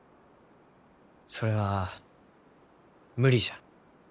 それは無理じゃ。